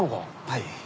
はい。